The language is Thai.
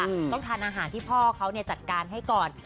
ต้องทานอาหารที่พ่อเขาเนี่ยจัดการให้ก่อน